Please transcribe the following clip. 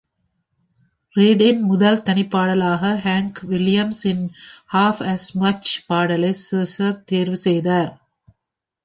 Redd-இன் முதல் தனிப்பாடலாக Hank Williams-இன் "Half As Much" பாடலை Susser தேர்வு செய்தார்.